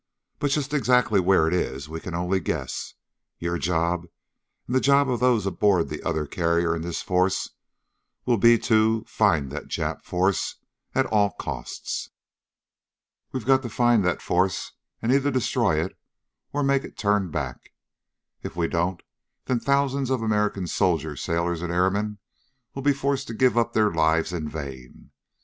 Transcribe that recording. But just exactly where it is, we can only guess. Your job, and the job of those aboard the other carrier in this force, will be to find that Jap force at all costs! We have got to find that force and either destroy it or make it turn back. If we don't then thousands of American soldiers, sailors, and airmen will be forced to give up their lives in vain.